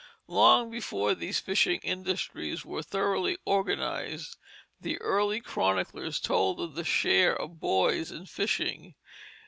Long before these fishing industries were thoroughly organized the early chroniclers told of the share of boys in fishing.